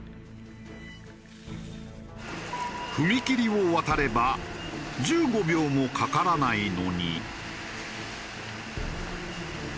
踏切を渡れば１５秒もかからないのに。